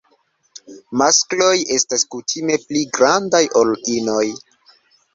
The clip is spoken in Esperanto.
Maskloj estas kutime pli grandaj ol inoj.